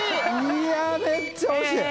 いやめっちゃ惜しい！え！